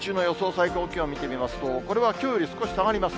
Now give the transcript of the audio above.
最高気温を見てみますと、これはきょうより少し下がります。